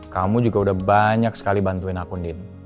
kamu juga udah banyak sekali bantuin akun din